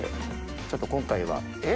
ちょっと今回は。